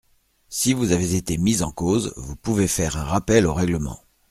Si vous avez été mis en cause, vous pouvez faire un rappel au règlement.